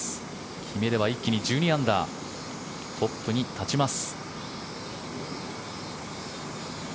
決めれば一気に１２アンダートップに立ちます。